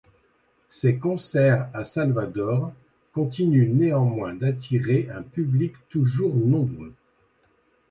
Ses concerts à Salvador continuent néanmoins d'attirer un public toujours nombreux.